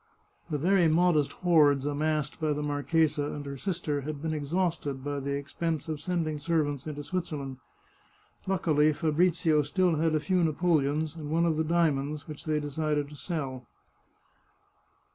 The very modest hoards amassed by the marchesa and her sister had been exhausted by the expense of sending servants into 86 The Chartreuse of Parma Switzerland. Luckily Fabrizio still had a few napoleons, and one of the diamonds, which they decided to sell.